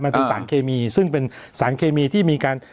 เป็นสารเคมีซึ่งเป็นสารเคมีที่มีการ